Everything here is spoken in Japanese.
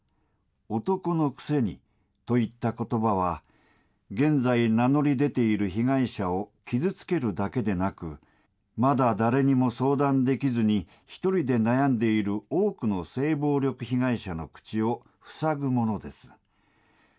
男のくせに。といったことばは、現在、名乗り出ている被害者を傷つけるだけでなく、まだ誰にも相談できずに一人で悩んでいる多くの性暴力被害者の口を塞ぐものです。